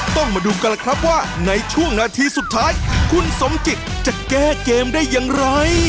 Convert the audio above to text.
ต้องมาดูกันล่ะครับว่าในช่วงนาทีสุดท้ายคุณสมจิตจะแก้เกมได้อย่างไร